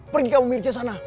pergi kamu mirce sana